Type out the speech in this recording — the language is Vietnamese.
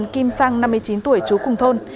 kim sang năm mươi chín tuổi trú cùng thôn